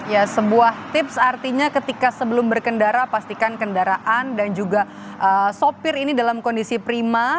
ya sebuah tips artinya ketika sebelum berkendara pastikan kendaraan dan juga sopir ini dalam kondisi prima